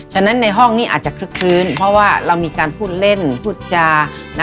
ฉะนั้นในห้องนี้อาจจะคลึกคลื้นเพราะว่าเรามีการพูดเล่นพูดจา